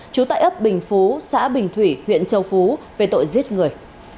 trú tại ấp bình phú xã bình thủy huyện châu phú về tội giết người